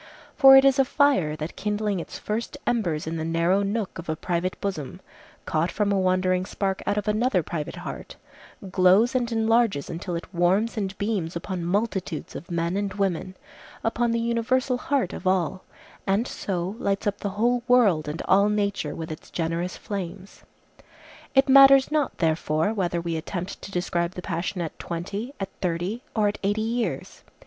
For it is a fire that kindling its first embers in the narrow nook of a private bosom, caught from a wandering spark out of another private heart, glows and enlarges until it warms and beams upon multitudes of men and women, upon the universal heart of all, and so lights up the whole world and all nature with its generous flames. It matters not therefore whether we attempt to describe the passion at twenty, at thirty, or at eighty years.